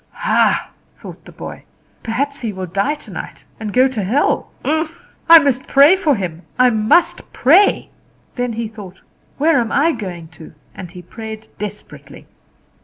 "Ah!" thought the boy, "perhaps he will die tonight, and go to hell! I must pray for him, I must pray!" Then he thought "Where am I going to?" and he prayed desperately.